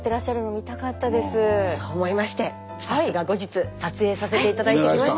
そう思いましてスタッフが後日撮影させて頂いてきました！